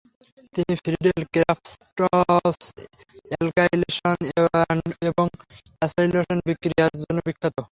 তিনি Friedel Crafts alkylation এবং acylation বিক্রিয়ার জন্য বিখ্যাত।